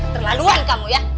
terlaluan kamu ya